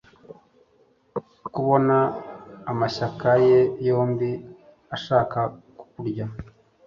kubona amashyaka ye yombi ashaka kukurya